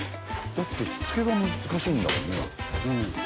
だってしつけが難しいんだもんね。